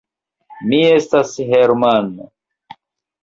Mi estas Hermann!